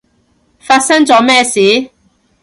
發生咗咩事？